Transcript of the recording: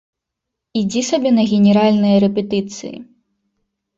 Ідзі сабе на генеральныя рэпетыцыі!